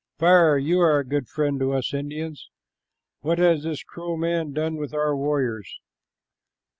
"Fire, you are a good friend to us Indians. What has this cruel man done with our warriors?"